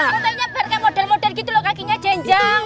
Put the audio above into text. fotoinnya biar kayak model model gitu loh kakinya jenjang